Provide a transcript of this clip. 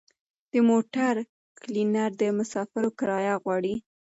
د موټر کلینډر له مسافرو کرایه غواړي.